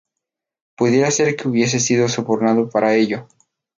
Pudiera ser que hubiese sido sobornado para ello.